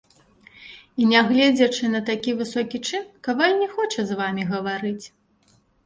І нягледзячы на такі высокі чын каваль не хоча з вамі гаварыць.